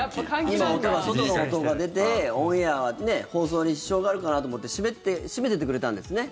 今、外の音が出てオンエア、放送に支障があるかなと思って閉めててくれたんですね。